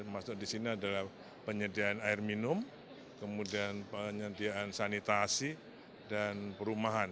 termasuk di sini adalah penyediaan air minum kemudian penyediaan sanitasi dan perumahan